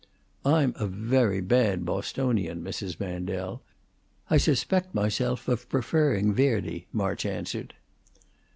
"I'm a very bad Bostonian, Mrs. Mandel. I suspect myself of preferring Verdi," March answered.